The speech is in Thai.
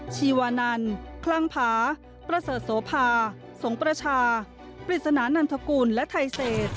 ชีวานันคลั่งผาประเสริฐโสภาสงประชาปริศนานันทกุลและไทเศษ